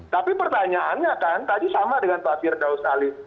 tapi pertanyaannya kan tadi sama dengan pak firdaus ali